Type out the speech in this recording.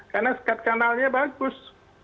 karena skat kanalnya bagus